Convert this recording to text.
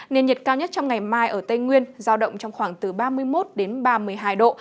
nền nhiệt cao nhất trong ngày mai ở tây nguyên giao động trong khoảng từ ba mươi một đến ba mươi hai độ